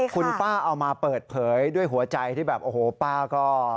คุณป้าเอามาเปิดเผยด้วยหัวใจที่แบบโอ้โหป้าก็